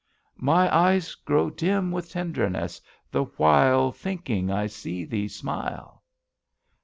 "My eyes grow dim with tenderness, the while Thinking I see thee smile."